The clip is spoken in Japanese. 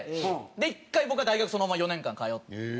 １回僕は大学そのまま４年間通って。